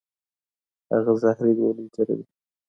هغه زهري ګولۍ تیروي.